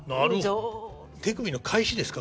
手首の返しですか？